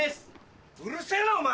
うるせぇなお前！